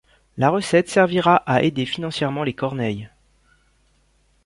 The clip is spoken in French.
La recette servira à aider financièrement les Corneille.